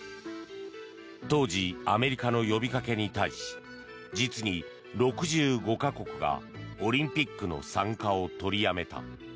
当時、アメリカの呼びかけに対し実に６５か国がオリンピックの参加を取りやめた。